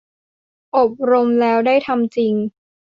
อบรมแล้วได้ทำจริง